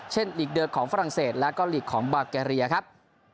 หลีกเดอร์ของฝรั่งเศสแล้วก็หลีกของบาแกเรียครับ